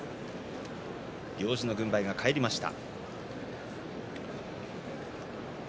行司の軍配が返りました。